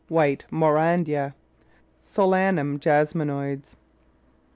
White Maurandya. Solanum Jasminoides.